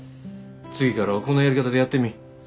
次からはこのやり方でやってみ。